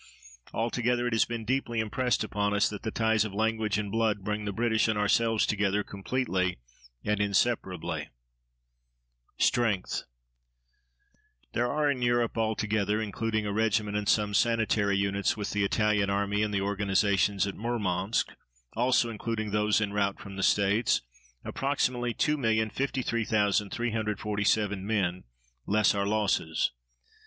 Altogether it has been deeply impressed upon us that the ties of language and blood bring the British and ourselves together completely and inseparably. STRENGTH There are in Europe altogether, including a regiment and some sanitary units with the Italian Army and the organizations at Murmansk, also including those en route from the States, approximately 2,053,347 men, less our losses.